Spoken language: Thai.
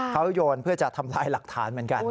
เขาโยนเพื่อจะทำลายหลักฐานเหมือนกัน